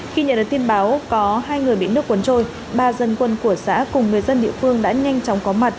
khi nhận được tin báo có hai người bị nước cuốn trôi ba dân quân của xã cùng người dân địa phương đã nhanh chóng có mặt